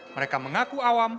mereka mengaku awam